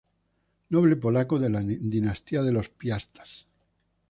Noble polaco de la dinastía de los Piastas.